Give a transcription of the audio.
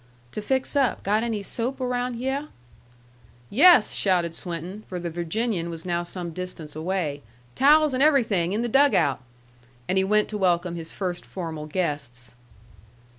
"To fix up. Got any soap around hyeh?" "Yes," shouted Swinton, for the Virginian was now some distance away; "towels and everything in the dugout." And he went to welcome his first formal guests.